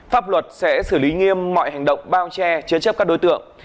pháp luật sẽ xử lý nghiêm mọi hành động bao che chế chấp các đối tượng